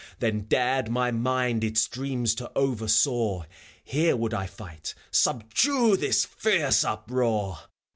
Then dared mv mind its dreams to over soar : Here would I fight, — subdue this fierce uproar!